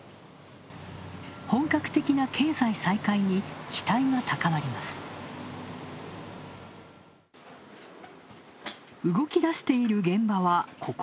本格的な経済再開に期待が高まります。